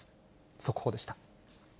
速報でした。